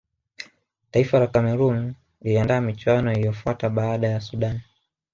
taifa la cameroon liliandaa michuano iliyofuata baada ya sudan